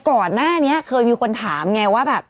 ก่อนหน้านี้เคยมีคนถามไงว่าแบบ